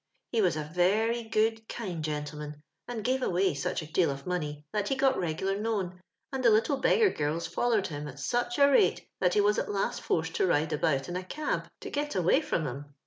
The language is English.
He was a very good, kind gentle man, and gave away such a deal of money that he got reg'lar known, and the little beggar girls follcred him at such a rate that he was at last forced to ride about in a cab to get away from 'em.